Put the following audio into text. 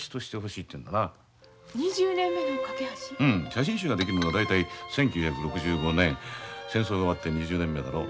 写真集が出来るのが大体１９６５年戦争が終わって２０年目だろ。